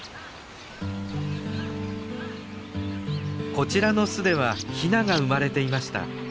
こちらの巣ではヒナが生まれていました。